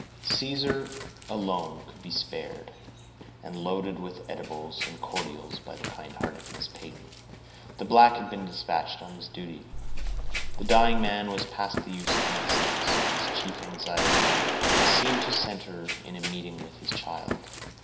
Caesar, alone, could be spared, and, loaded with eatables and cordials by the kind hearted Miss Peyton, the black had been dispatched on his duty. The dying man was past the use of medicines, and his chief anxiety seemed to center in a meeting with his child.